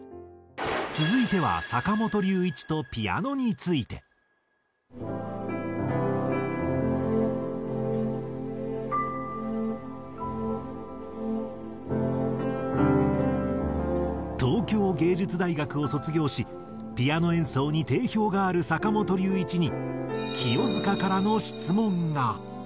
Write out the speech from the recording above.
続いては坂本龍一とピアノについて。東京藝術大学を卒業しピアノ演奏に定評がある坂本龍一に清塚からの質問が。